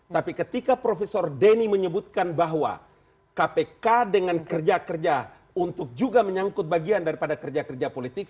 tapi ketika profesor denny menyebutkan bahwa kpk dengan kerja kerja untuk juga menyangkut bagian daripada kerja kerja politik